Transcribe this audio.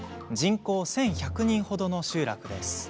人口１１００人ほどの集落です。